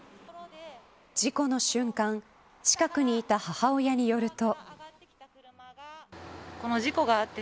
事故の瞬間近くにいた母親によると。